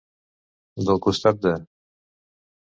Del costat de.